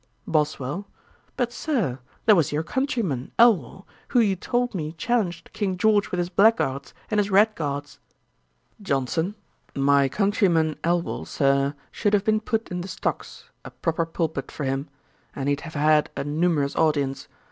BOSWELL. 'But, Sir, there was your countryman, Elwal, who you told me challenged King George with his black guards, and his red guards.' JOHNSON. 'My countryman, Elwal, Sir, should have been put in the stocks; a proper pulpit for him; and he'd have had a numerous audience.